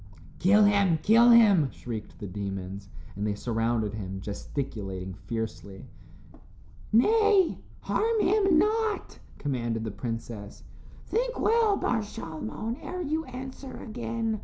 "Kill him, kill him," shrieked the demons, and they surrounded him, gesticulating fiercely. "Nay, harm him not," commanded the princess. "Think well, Bar Shalmon, ere you answer again.